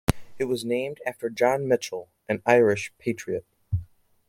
It was named after John Mitchel, an Irish patriot.